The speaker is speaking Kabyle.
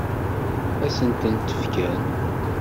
Ad sent-ten-fken?